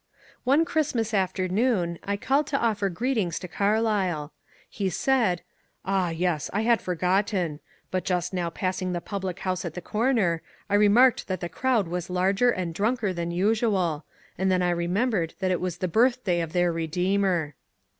One Christmas afternoon I called to offer greetings to Car lyle. He said, ^^ Ah yes, I had forgotten ; but just now passing the pablic house at the comer, I remarked that the crowd was larger and dronker than usual, and then I remembered that it was the birthday of their Redeemer."